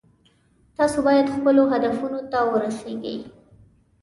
تاسو باید خپلو هدفونو ته ورسیږئ